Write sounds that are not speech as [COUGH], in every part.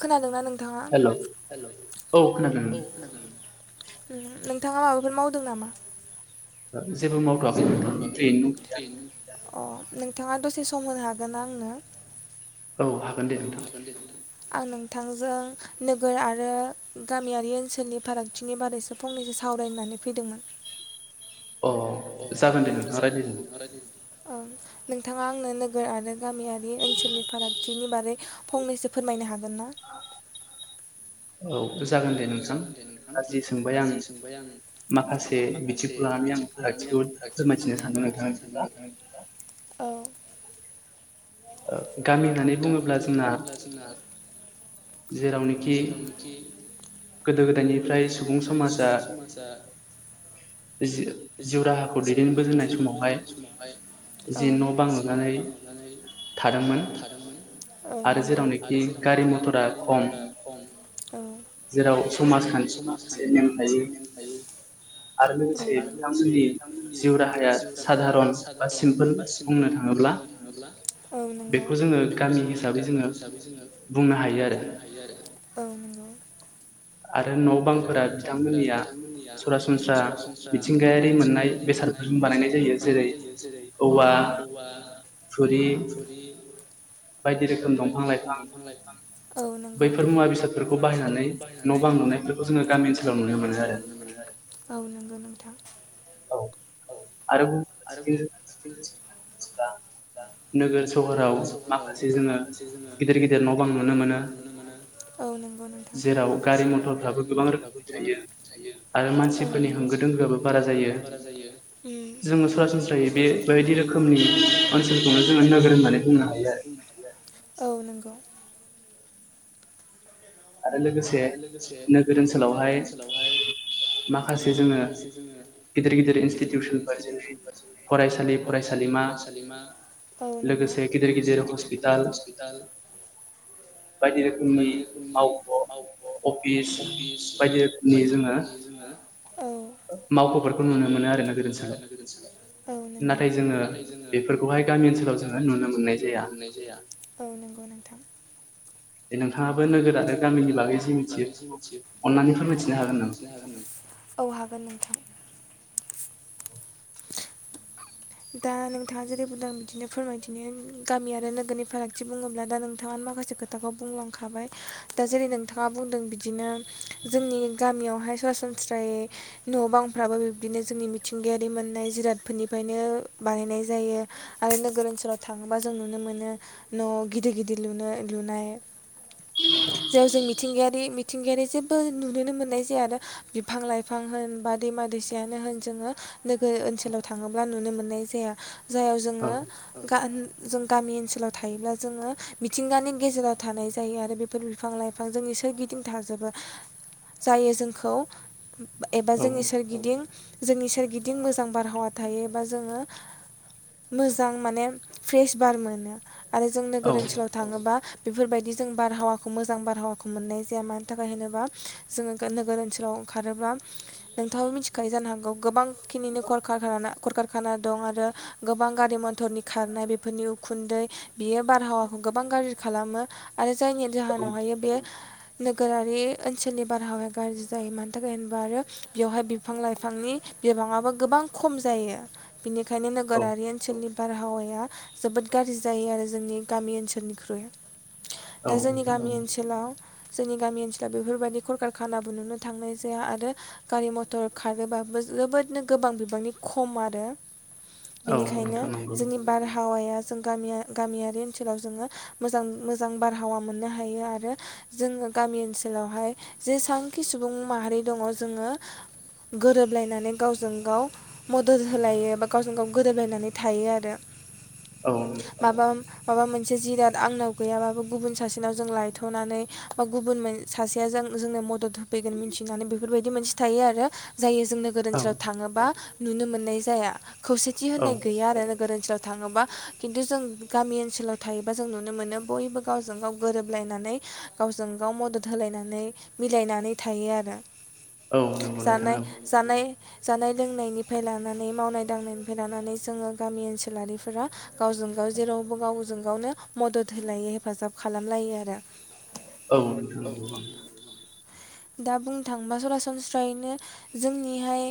खोनादोंना नोंथाङा। नोंथाङा माबाफोर मावदों नामा। जेबो मावथवाखोय ओरैनो अ। नोंथाङा दसे सम होनो हागोनना आंनो। औ हागोन दे नोंथां। आं नोंथांजों नोगोर आरो गामियारि ओनसोलनि फारागथिनि बारैसो फंनैसो सावरायनो होननानै फैदोंमोन। अ जागोन दे नोंथाङा रायज्लाय जागोन। नोंथाङा आंनो नोगोर आरो गामियारि ओनसोलनि फारागथिनि बारै फंनैसो। फोरमायनो हाग। हागोनना? औ जागोन दे नोंथां गाज्रि सोंबाय आं माखासे बिथिखौ लानानै आं फागथिखौ फोरमायथिनो सानदों नोंथाङा बिदिब्ला औ। ओ गामि होननानै बुङोब्ला जोंना जेरावनोखि। गोदो गोदायनिफ्राय सुबुं समाजा जि जिउ राहाखौ दैदेनबोजेननाय समावहाय जि न बां लुनानै। थादोंमोन औ नंगौ आरो जेरावनोखि गारि मटरा खम ओ [INAUDIBLE] औ नंगौ बेखौ जोंङो गामि हिसाबै जोंङो बुंनो हायो आरो औ नंगौ आरो न' बांफोरा बिथांमोननिया सरासनस्रा मिथिंगायारि मोननाय बेसादफोरजों बानायनाय जायो जेरै औवा थुरि थुरि बायदि रोखोम दंफां लाइफां औ नंगौ बैफोर मुवा बेसाद बायनानै न' बां मोननायफोरखौ जोंङो गामि ओनसोलाव नुनो मोनो आरो औ नगौ नोंथां औ आरो नोगोर सहराव माखासे जोंङो गिदिर गिदिर न' बांलुनो मोनो औ नंगौ नोंथां जेराव गारि मथरफ्राबो गोबां रोखोमनि थायो औ नंगौ आरो मानसिफोरनि होंगो दोंगोआबो बारा जायो उ जोंङो सरासनस्रायै बे बायदि रोखोमनि बे खिनिखौनो जोंङो नोगोर हननानै बुंनो हायो आरोना औ नंगौ [INAUDIBLE] उनि [INAUDIBLE] [INAUDIBLE] औ हागोन नोंथां दा नोंथांङा जेरै बुंदों बिदिनो फोरमायथिनो गामि आरो नोगोरनि फारागथि बुङोंब्ला दा नोंथांङानो माखासे खोथाखौ बुंलांखाबाय दा जेरै नोंथांङा बुंदों बिदिनो जोंनि गामियावहाय सरासनस्रायै न' बांफ्राबो बिब्दिनो जोंनि मिथिंगायारि मोननाय जिरादफोरनिफ्रायनो बानायनाय जायो आरो नोगोर ओनसोलाव थाङोंबा जों नुनो मोनो न' गिदिर गिदिर लुनो लुनाय जाय जों मिथिंगायारि मिथिंगायारि जेबो नुोनो मोननाय जाया आरो बिफां लाइफां होन बा दैमा दैसायानो होन जोङों नोगोर ओनसोलाव थाङोंब्ला नुनो मोनो मोननाय जाया ह जायाव जोङों गान जों गामि ओनसोलाव थायोब्ला जोङों मिथिंगानि गेजेराव थानाय जायो आरो बेफोर बिफां लाइफां जोंनि सोरगिदिं थाजोबो जायो जोंखौ एबा जोंनि सोरगिदिं जोंनि सोरगिदिं मोजां बारहावा थायोबा जोंङो मोजां माने फ्रेश बार मोनो आरो जों नोगोर ओनसोलाव थाङोंबा बेफोरबायदि जों बारहावाखौ मोजां बारहावाखौ मोननाय जाया मानि थाखाय होनोबा जोंङो नोगोर ओनसोलाव ओंखारोबा नोंथांङाबो मिथिखायो जानो हागौ गोबांखिनिनो कलखारखाना करखारखाना दं आरो गोबां गारि मथरनि खारनाय बेफोरनि उखुन्दै बियो बारहावाखौ गोबां गाज्रि खालामो आरो जायनि जाहोनावहायो बे नोगोरारि ओनसोलनि बारहावाया गाज्रि जायो मानि थाखाय होनबा आरो बेयावहाय बिफां लाइफांनि बिबांङाबो गोबां खम जायो बिनिखायनो नोगोरारि ओनसोलनि बारहावाया या जोबोद गाज्रि जायो आरो जोंनि गामि ओनसोलनिख्रुइ दा जोंनि गामि ओनसोलाव जोंनि गामि ओनसोला बेफोरबायदि खलखारखाना बो नुनो थांनाय जाया आरो गारि मथर खारोबाबो जोबोदनो गोबां बिबांनि खम आरो बिनिखायनो जोंनि बारहावाया जों गामिया गामियारि ओनसोलाव जोंङो मोजां मोजां बारहावा मोननो हायो आरो जोंङो गामि ओनसोलावहाय जेसांखि सुबुं माहारि दंङ जोंङो गोरोबलायनानै गावजों गाव मदद होलायो बा गावजों गाव गोरोबलायनानै थायो आरो माबा माबा मोनसे जिराद आंनाव गैयाबाबो गुबुन सासेनाव जों लायथ'नानै बा गुबुन मो सासेया जों जोंनो मदद होफैगोन मिथिनानै बेफोरबायदि मोनसे थायो आरो जायो जों नोगोर ओनसोलाव थांङोबा नुनो मोननाय जाया। खौसेथि होननाय गैया आरो नोगोर ओनसोलाव थाङोबा खिन्थु जों गामि ओनसोलाव थायोबा जों नुनो मोनो बयबो गावजों गाव गोरोबलायनानै गावजों गाव मदद होलायनानै मिलायनानै थायो आरो। जानाय जानाय जानाय लोंनायनिफ्राय लानानै मावनाय दांनायनिफ्राय लानानै जोङो गामि ओनसोलारिफोरा गावजों गाव जेरावबो गावजों गावनो मदद होलायो हेफाजाब खालामलायो आरो। औ नोंथां, नोंगौ ओं। दा बुंनो थाङोबा सरासनस्रायैनो जोंनिहाय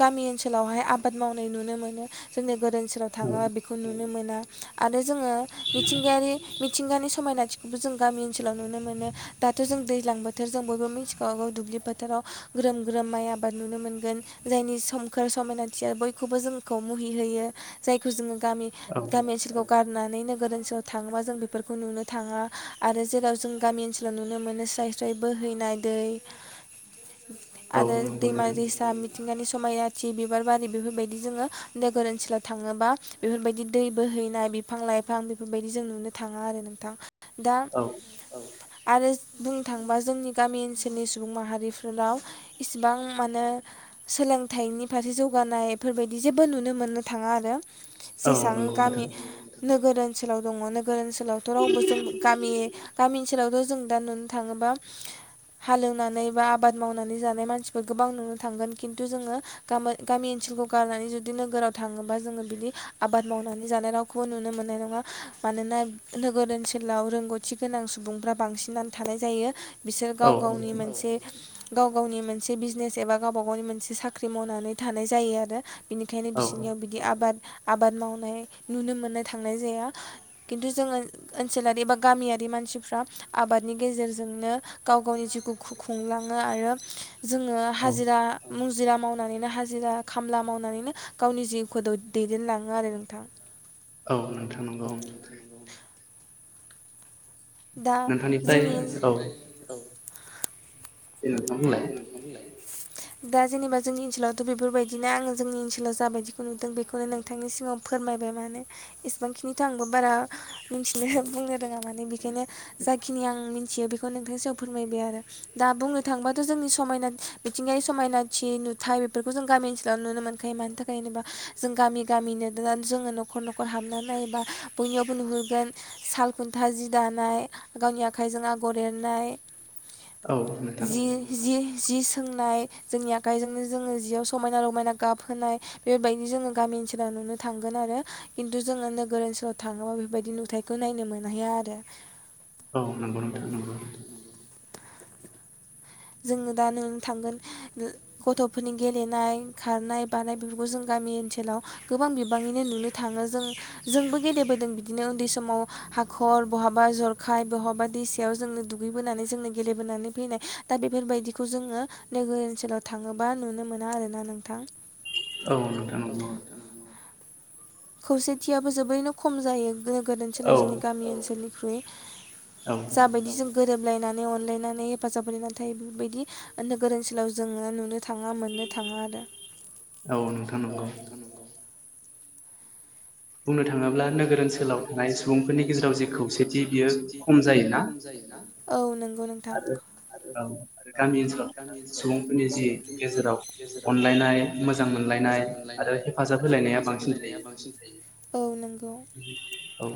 गामि ओनसोलावहाय आ बाद मावनाय नुनो मोनो जोंनि गोरो ओनसोलाव थाङो बेखौ नु मोना आरो जोङो मिथिंगायारि मि मिथिंगानि समायनाथिखौबो जों गामि ओनसोलाव नुनो मोनो दाथ' जों दैज्लां बोथोरजों बयबो मिथिखागौ दुब्लि बोथोराव ग्रोम ग्रोम माइ आबाद नुनो मोनगोन जायनि सोमखोर समायना थिया बयखौबो जोंखौ मुहि होयो जायखौ जोङो गामि, गामि ओनसोलखौ गार नानै नोगोर ओनसोलाव थाङोबा जों बेफोरखौ नुनो थाङा आरो जेराव जों गामि ओनसोलाव नुनो मोनो स्राय-स्राय बोहैनाय दै, आरो दैमा दैसा मिथिंगानि समाया जिबि बिबार बारि बेफोरबायदि जोङो नोगोर ओनसोलाव थाङोबा बेफोरबायदि दै बोहैनाय बिफां लाइफां बेफोरबायदि जों नुनो थाङा आरो नोंथां। दा आरो बुंनो थाङोबा जोंनि गामि ओनसोलनि सुबुं माहारिफोरनाव इसिबां मानो सोलोंथाइनि फारसे जौगानाय बेफोरबायदि जेबो नुनो मोननो थाङा आरो। जेसबां गामि नोगोर ओन सोलाव दङ नोगोर ओन सोलावथ' रावबो जों गामि गामि ओनसोलावथ' जों दा नुनो थाङोबा हालेवनानै बा आबाद मावनानै जानाय मानसिफोर गोबां नुनो थांगोन खिन्थु जोङो गामि गामि ओनसोलखौ गारनानै जुदि नोगोराव थाङोबा जोङो बिदि आबाद मावनानै जानाय रावखौबो नुनो मोननाय नङा मानोना नोगोर ओनसोलाव रोंगौथि गोनां सुबुंफ्रा बांसिनानो थानाय जायो। बिसोर गाव गावनि मोनसे गाव गावनि मोनसे बिजनेस एबा गावबा गावनि मोनसे सा ख्रि मावनानै थानाय जायो आरो। बिनिखायनो बिसोरनियाव बिदि आबाद आबाद मावनाय नुनो मोननाय थांनाय जाया खिन्थु जोङो ओनसोलारि एबा गामियारि मानसिफ्रा आबादनि गेजेरजोंनो गाव गावनि जिउखौ खुंलाङो आरो जोङो हाजिरा मुजिरा माव मावनानैनो हाजिरा खामला मावनानैनो गावनि जिउखौ दैदेनलाङो आरो नोंथां। औ नोंथां नंगौ ओं। दा जोंनि [UNINTELLIGIBLE] दे नोंथाङा बुंलाय दा जेनेबा जोंनि ओनसोलावथ' बेफोरबायदिनो आङो जोंनि ओनसोलाव जाबायदिखौ नुदों बेखौनो नोंथांनि सिगाङाव फोरमायबाय माने इसेबांखिनिथ' आंबो बारा मिथिनो बुंनो रोङा माने बेखायनो जाखिनि आं मिथियो बेखौ नोंथांनि सिगाङाव फोरमायबाय आरो दा बुंनो थाङोबा थ' जोंनि समायना बिथिंगायारि समायनाथि नुथाय बेफोरखौ जों गामि ओनसोलाव नुनो मोनखायो मानि थाखाय जेनेबा जों गामि गामिनो जोङो न'खर न'खर हाबनानै नायोबा बयनियावबो नुगोन साल खुन्था जि दानाय गावनि आखाइजों आगर एरनाय औ नोंथां जि सोंनाय जोंनि आखाइजोंनो जोङो जिआव समायना रमायना गाब होनाय बेबायदि जोङो गामि ओनसोलाव नुनो थांगोन आरो खिन्थु जोङो नोगोर ओनसोलाव थाङोबा बेफोरबायदि नुथायाइखौ नायनो मोनहैया आरो औ नंगौ नोंथां नंगौ जोङो दा नुनो थांगोन गथ'फोरनि गेलेनाय खारनाय बारानाय बेफोरखौ जों गामि ओनसोलाव गोबां बिबाङैनो नुनो थाङो जों जोंबो गेलेबोदों बिदिनो उन्दै समाव हाखर बहाबा जरखाय बहाबा दैसायाव जोंनो दुगैबोनानै जोंनो गेलेबोनानै फैनाय दा बेफोरबायदिखौ जोङो नोगोर ओनसोलाव थाङोबा नुनो मोना आरोना नोंथां औ नोंथां नंगौ खौसेथियाबो जोबैनो खम जायो गोद ओनोलाव जोंनि गामि ओनोलनि ख्रुय जाबायदि जों गोरोब लायनानै अनलायनानै हेफाजाब होयो नाथाय बेफोरबादि नोगोर ओनसोलाव जोङो नुनो थाङा मोननो थाङा आरो। [UNINTELLIGIBLE] बुंनो थाङोब्ला नोगोर ओनसोलाव थानाय सुबुंफोरनि गेजेराव जि खौसेथि बियो खम जायो ना औ नंगौ नोंथां आरो गामि ओनसोलाव सुबुंफोरनि जि गेजेराव अनलायनाय मोजां मोनलायनाय आरो हेफाजाब होलायनाया बांसिन थायो। औ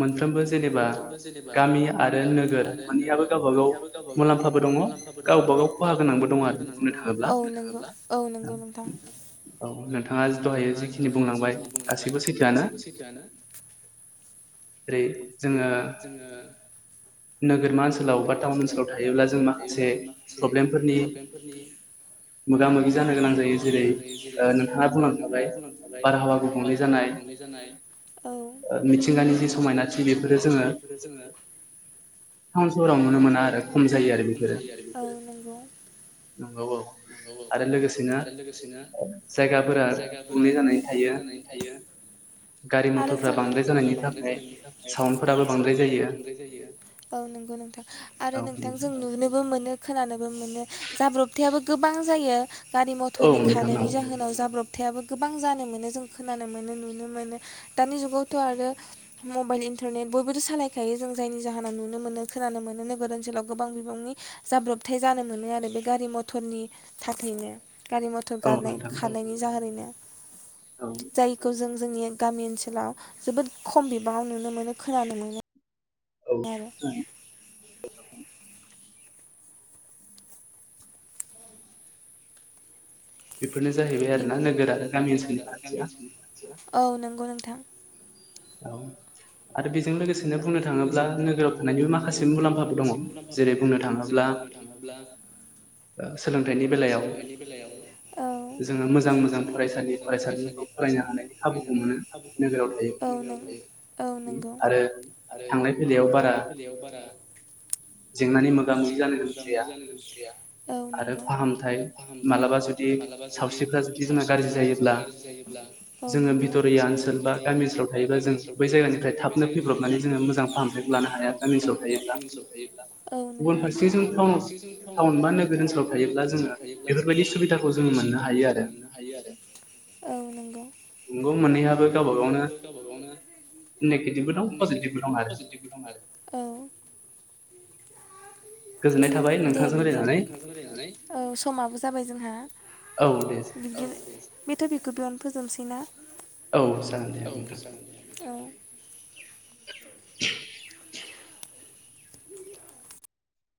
मोनफ्रोमबो जेनेबा गामि आरो नोगोर मोननैयाबो गावबा गाव मुलाम्फाबो दङ' गावबागाव खहा गोनांबो दङ' आरो बुंनो थाङोब्ला औ नोंथाङा जिथ'हायो जिखिनि बुंलांबाय आसिबोसि गासिबो सैथोआनो। जेरै जोङो नोगोरमा ओनसोलाव बा टाउन ओनसोलाव थायोब्ला जों माखासे प्रब्लेमफोरनि मोगा मोगि जानो गोनां जायो जेरै नोंथाङा बुंलां थाबाय बारहावा गुबंले गुबुंले जानाय औ मिथिंगानि जि समायनाथि बेफोखौ जोङो टाउन सहराव नुनो मोना आरो खम जायो आरो नंगौ औ औ आरो लोगोसेनो जायगाफोरा गुबुंले जानानै थायो गारि मटरफ्रा बांद्राय जानायनि थाखाय [UNINTELLIGIBLE] औ नंगौ नोंथां आरो नोंथां जों नुनोबो मोनो खोनानोबो मोनो जाब्रबथायाव गोबां जायो गारि मटरनि खानायनि जाहोनाव जाब्रब जाथायाबो गोबां जानो मोनो जों खोनानो मोनो नुनो मोनो दानि जुगावथ' आरो मम मबाइल इन्टारनेट बयबोथ सालायखायो जों जायनि जाहोनाव नुनो मोनो खोनानो मोनो नोगोर ओनसोलाव गोबां बिबांनि जाब्रबथाय जानो मोनो आरो बे गारि मथरनि थाखायनो गारि मथर गाबनाय खारनायनि जाहोनैनो जायखौ जों जोंनि गामि ओनसोलाव जोबोद खम बिब बाव नुनो मोनो खोनानो मोनो आरो [INAUDIBLE] बेफोरनो जाहैबाय आरो ना नोगोर आरो गामि ओनसोलनि फारागथिया औ नंगौ नोंथां औ आरो लोगोसे बुंनो थाङोब्ला नोगोराव थानाय माखासे मुलामफा दङ जेरै बुंनो थाङोब्ला ओ सोलोंथाय सोलोंथाइनि बेलायाव ओ जोङो मोजां मोजां फरायसालि फरायसालिफोरखौ फरायनो हानाय खाबुखौ मोनो औ नोंगौ आरो थांलाय फैलायाव बारा जेंनानि मोगा-मोगि जानो गोसो गैया औ नोंगौ आरो फाहामथाय मालाबा जुदि सावस्रिफ्रा जुदि जोंहा गाज्रि जायोब्ला औ‌ नोंगौ जोंङो बिथरिया ओनसोल गामि ओनसोलाव थायोब्ला जों बै जायगानिफ्राय थाबनो फैब्रबनानै जोङो मोजां फाहामथायखौ लानो हाया गामि ओनसोलाव थायोब्ला औ नंगौ नोंथां गुबुन फारसे थाउन बा नोगोर ओनसोलाव थायोब्ला जोङो बेफोरबायदि सुबिदाखौ जों मोननो हायो आरो औ नंगौ नंगौ मोननैयाबो गावबा गावनो नेगेटिभबो दं पजिटिभबो दं आरो औ दे बिदि औ समाबो जाबाय जोंहा बिदि बेथ' बेखौ बे फ फोजोबसैना? औ जागोन दे नोंथां